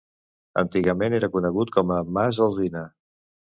Antigament era conegut com a mas Alzina.